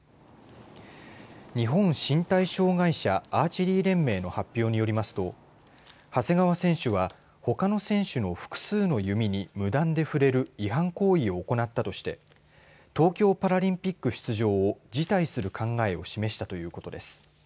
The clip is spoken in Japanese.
日本身体障害者アーチェリー連盟の発表によりますと長谷川選手はほかの選手の複数の弓に無断で触れる違反行為を行ったとして東京パラリンピック出場を辞退する考えを示したということです。